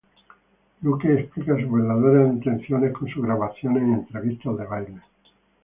Luke explica sus verdaderas intenciones con sus grabaciones y entrevistas de baile.